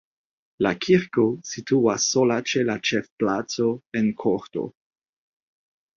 La kirko situas sola ĉe la ĉefplaco en korto.